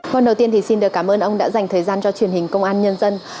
vâng đầu tiên thì xin được cảm ơn ông đã dành thời gian cho truyền hình công an nhân dân